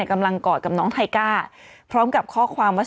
ในกำลังกอดกับน้องไท้ก้าพร้อมกับข้อความว่า